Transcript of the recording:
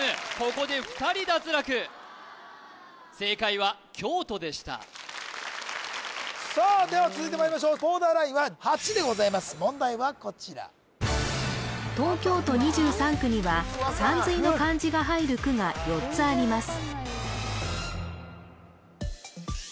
ここで２人脱落正解は京都でしたさあでは続いてまいりましょうボーダーラインは８でございます問題はこちら東京都２３区には「さんずい」の漢字が入る区が４つあります